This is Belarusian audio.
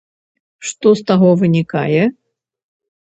Што з таго вынікае?